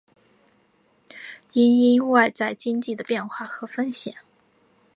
因应外在经济的变化和风险